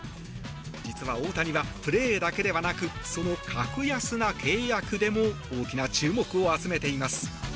実は大谷は、プレーだけではなくその格安な契約でも大きな注目を集めています。